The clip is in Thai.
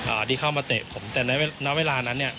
ที่เข้ามาเตะผมแต่ในณเวลานั้นเนี้ย